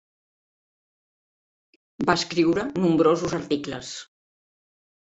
Va escriure nombrosos articles.